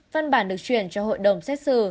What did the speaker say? văn bản được chuyển cho hội đồng xét xử